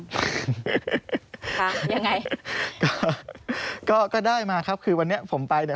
ค่ะยังไงก็ก็ได้มาครับคือวันนี้ผมไปเนี่ย